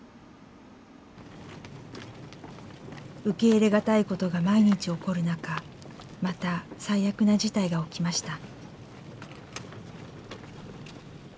受け入れがたいことが毎日起こる中また最悪な事態が起きました。